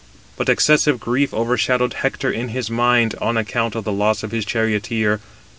But excessive grief overshadowed Hector in his mind, on account of [the loss of] his charioteer.